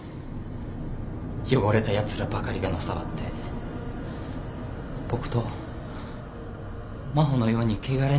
汚れたやつらばかりがのさばって僕と真帆のように汚れのない人間が傷つけられる。